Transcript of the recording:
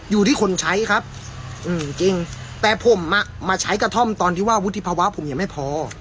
อยู่ที่คนใช้ครับจริงแต่ผมอ่ะมาใช้กระท่อมตอนที่ว่าวุฒิภาวะผมยังไม่พอ